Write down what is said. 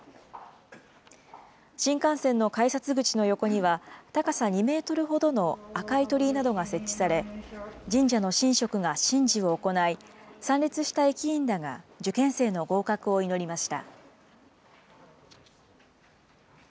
新幹線の改札口の横には、高さ２メートルほどの赤い鳥居などが設置され、神社の神職が神事を行い、参列した駅員らが受験生の合格を祈りました。